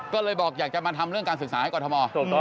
ก็เลยบอกอยากจะมาทำเรื่องการศึกษาให้กรทม